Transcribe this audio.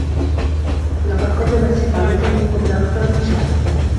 لقد قدّم تستقالته قبل أكثر من شهر.